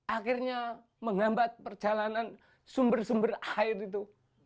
akhirnya menghambat perjalanan sumber sumber air itu